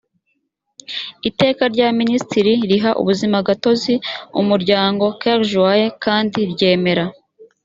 iteka rya minisitiri riha ubuzimagatozi umuryango coeur joyeux kandi ryemera